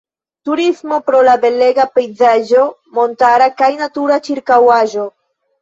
Turismo pro la belega pejzaĝo montara kaj natura ĉirkaŭaĵo.